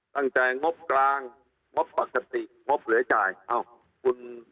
สั่งจ่ายงบกลางงบปกติงบเหลือจ่ายเอ้าคุณ